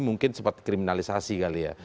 mungkin sempat kriminalisasi kali ya